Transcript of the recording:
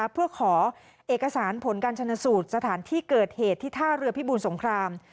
เพื่อขอเอกสารผลการชนสูตรสถานที่เกิดเหตุที่ท่าเรือพิบูรสงคราม